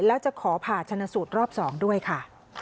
แล้วจะขอผ่าชนสูตรรอบ๒ด้วยค่ะ